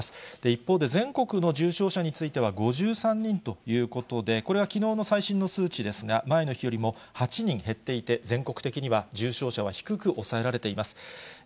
一方で、全国の重症者については、５３人ということで、これはきのうの最新の数値ですが、前の日よりも８人減っていて、全国的には重症者は低く抑えられています。